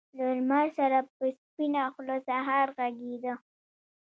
له لمر سره په سپينه خــــوله سهار غــــــــږېده